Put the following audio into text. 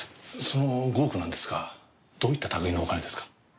その５億なんですがどういった類のお金ですか？